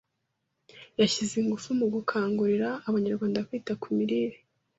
yashyize ingufu mu gukangurira Abaturarwanda kwita ku mirire